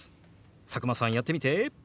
佐久間さんやってみて。